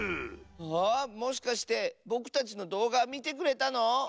あもしかしてぼくたちのどうがみてくれたの？